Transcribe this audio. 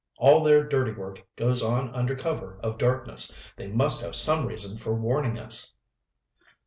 All their dirty work goes on under cover of darkness. They must have some reason for warning us!"